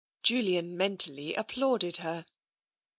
Julian mentally applauded her.